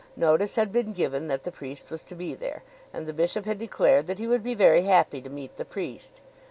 Notice had been given that the priest was to be there, and the bishop had declared that he would be very happy to meet the priest.